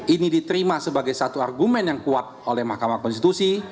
ini diterima sebagai satu argumen yang kuat oleh mahkamah konstitusi